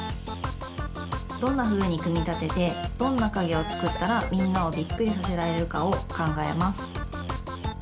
どんなふうにくみたててどんなかげをつくったらみんなをびっくりさせられるかをかんがえます。